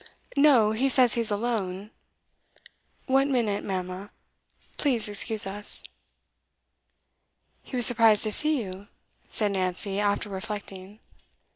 'No; he says he's alone. One minute, mamma; please excuse us.' 'He was surprised to see you?' said Nancy, after reflecting.